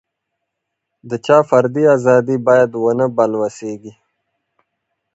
د چا فردي ازادي باید ونه بلوسېږي.